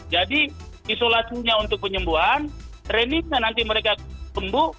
jadi isolasinya untuk penyembuhan trainingnya nanti mereka sembuh